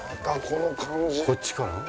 こっちから？